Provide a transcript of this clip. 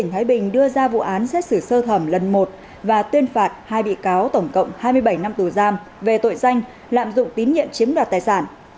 tỉnh thái bình đưa ra vụ án xét xử sơ thẩm lần một và tuyên phạt hai bị cáo tổng cộng hai mươi bảy năm tù giam về tội danh lạm dụng tín nhiệm chiếm đoạt tài sản